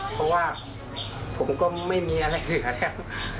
เพราะว่าผมก็ไม่มีอะไรเหลือนะครับ